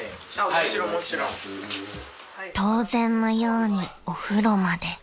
［当然のようにお風呂まで］